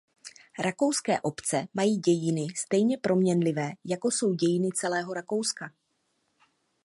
Rakouské obce mají dějiny stejně proměnlivé jako jsou dějiny celého Rakouska.